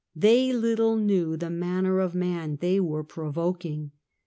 They little knew the manner of man they were pro voking.